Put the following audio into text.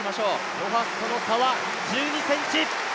ロハスとの差は１２ｃｍ。